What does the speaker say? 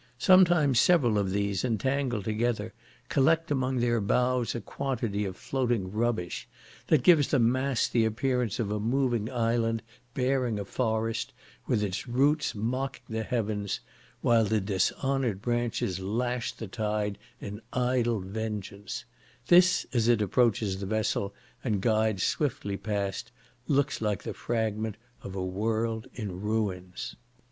Sometimes several of these, entangled together, collect among their boughs a quantity of floating rubbish, that gives the mass the appearance of a moving island, bearing a forest, with its roots mocking the heavens; while the dishonoured branches lash the tide in idle vengeance: this, as it approaches the vessel, and glides swiftly past, looks like the fragment of a world in ruins.